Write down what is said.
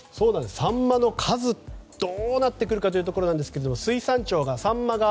サンマの数どうなってくるかというところですが水産庁がサンマが